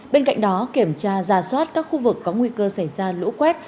bên cạnh đó kiểm tra ra soát các khu vực có nguy cơ xảy ra lũ quét